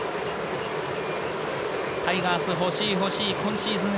タイガース、欲しい欲しい今シーズン